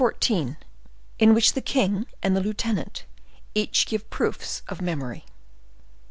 In which the King and the Lieutenant each give Proofs of Memory.